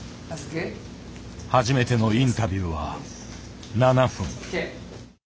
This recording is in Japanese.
初めてのインタビューは７分。